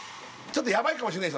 ちょっとやばいかもしんない